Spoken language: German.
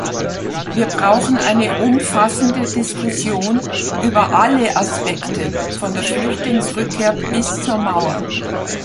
Wir brauchen eine umfassende Diskussion über alle Aspekte, von der Flüchtlingsrückkehr bis zur Mauer.